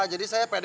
jadi saya pdy